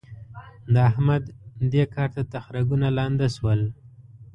د احمد؛ دې کار ته تخرګونه لانده شول.